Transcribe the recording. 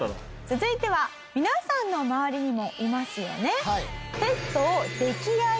続いては皆さんの周りにもいますよね？